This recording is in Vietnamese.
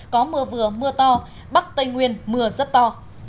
có mưa vừa mưa to bắc tây nguyên mưa rất to